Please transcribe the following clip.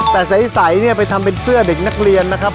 แต่ใสเนี่ยไปทำเป็นเสื้อเด็กนักเรียนนะครับ